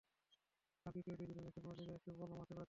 কাল তৃতীয় দিনে দুই ম্যাচের কোনোটিকেই একটি বলও মাঠে গড়াতে পারেনি।